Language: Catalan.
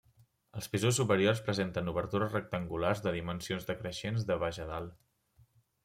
Els pisos superiors presenten obertures rectangulars de dimensions decreixents de baix a dalt.